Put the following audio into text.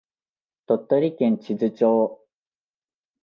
鳥取県智頭町